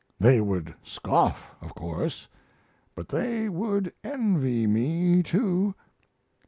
They would scoff, of course, but they would envy me, too.